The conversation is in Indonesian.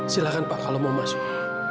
silahkan pak kalau mau masuk